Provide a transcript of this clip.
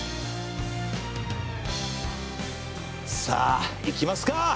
さあ行きますか！